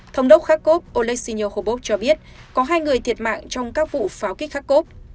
thống đốc kharkov oleksiy khobor cho biết có hai người thiệt mạng trong các vụ pháo kích kharkov